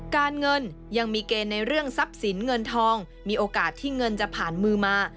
การเงินยังมีเกณฑ์ในเรื่องทรัพย์สินเงินทองมีโอกาสที่เงินจะผ่านมือมา